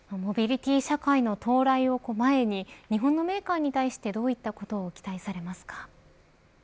モビリティ社会の到来を前に日本のメーカーに対してどういったことを期待されますか。